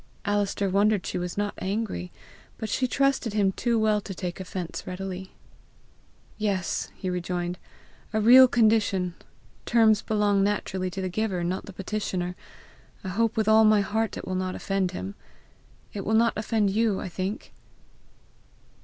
Alister wondered she was not angry. But she trusted him too well to take offence readily. "Yes," he rejoined, "a real condition! Terms belong naturally to the giver, not the petitioner; I hope with all my heart it will not offend him. It will not offend you, I think."